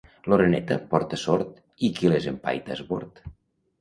L'oreneta porta sort i qui les empaita és bord.